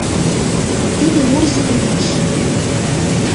Тиде Мурзин улмаш.